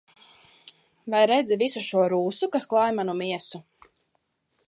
Vai redzi visu šo rūsu, kas klāj manu miesu?